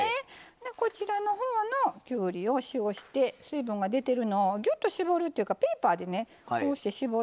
こちらの方のきゅうりを塩して水分が出てるのをギュッと絞るというかペーパーでこうして絞ってもらって。